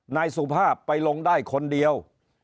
นายสุภาพไปลงได้คนเดียว